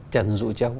trần dũ châu